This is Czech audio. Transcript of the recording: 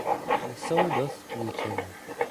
Jsou dost k ničemu.